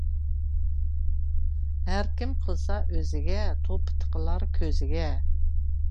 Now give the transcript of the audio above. ھەركىم قىلسا ئۆزىگە، توپا تىقىلار كۆزىگە.